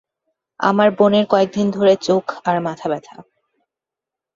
আমার বোনের কয়েকদিন ধরে চোখ আর মাথা ব্যথা।